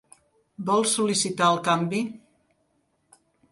Vol sol·licitar el canvi?